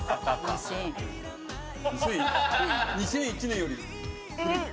２００１年より古い？